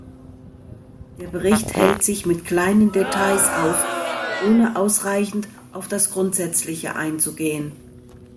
Der Bericht hält sich mit kleinen Details auf, ohne ausreichend auf das Grundsätzliche einzugehen.